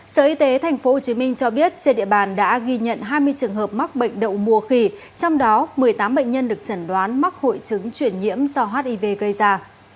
sở y tế tp hcm cho biết trên địa bàn đã ghi nhận hai mươi trường hợp mắc bệnh đậu mùa khỉ trong đó một mươi tám bệnh nhân được chẩn đoán mắc hội chứng chuyển nhiễm do hiv gây ra